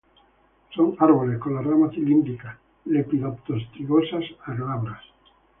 Son árboles, con las ramas cilíndricos, lepidoto-strigosas a glabras.